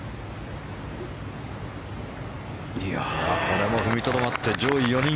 これも踏みとどまって上位４人。